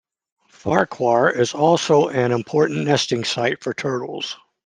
Farquhar is also an important nesting site for turtles.